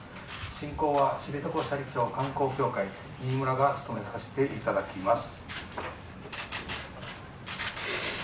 進行は知床斜里町観光協会ニイムラが務めさせていただきます。